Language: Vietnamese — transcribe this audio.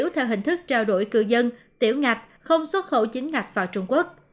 thức trao đổi cư dân tiểu ngạch không xuất khẩu chính ngạch vào trung quốc